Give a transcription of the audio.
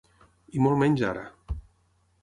I molt menys ara.